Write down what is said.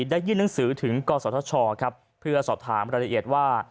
ได้ยื่นหนังสือถึงกศธชครับเพื่อสอบถามรายละเอียดว่า